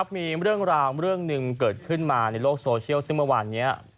มีเรื่องราวเรื่องหนึ่งเกิดขึ้นมาในโลกโซเชียลซึ่งเมื่อวานนี้